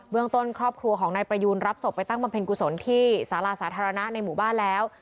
เมืองต้นครอบครัวของนายประยูนรับศพไปตั้งบำเพ็ญกุศลที่สาราสาธารณะในหมู่บ้านแล้ว